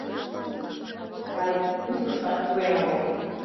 Кай, ушышкат пурен огыл.